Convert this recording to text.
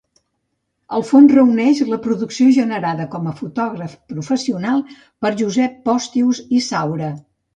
El fons reuneix la producció generada com a fotògraf professional per Josep Postius i Saura.